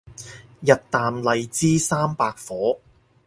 日啖荔枝三百顆